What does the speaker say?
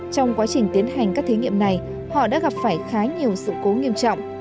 trong quá trình tiến hành các thí nghiệm này họ đã gặp phải khá nhiều sự cố nghiêm trọng